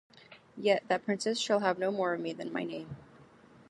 Yet that princess shall have no more of me than my name.